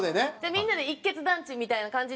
みんなで一結団致みたいな感じで。